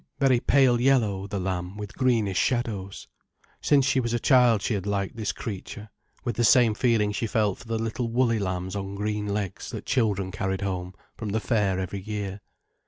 Very pale yellow, the lamb, with greenish shadows. Since she was a child she had liked this creature, with the same feeling she felt for the little woolly lambs on green legs that children carried home from the fair every year.